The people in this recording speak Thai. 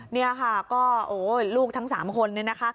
นี่ค่ะก็โอ้โหลูกทั้ง๓คน